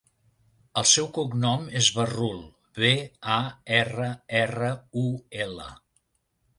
El seu cognom és Barrul: be, a, erra, erra, u, ela.